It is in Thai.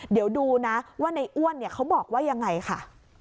เดี๋ยวดูนะว่าในอ้วนเขาบอกว่ายังไงค่ะ